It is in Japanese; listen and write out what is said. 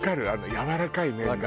やわらかい麺の。